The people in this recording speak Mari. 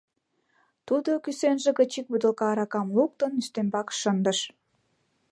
Тудо, кӱсенже гыч ик бутылка аракам луктын, ӱстембак шындыш.